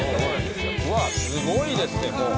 うわっすごいですねもう。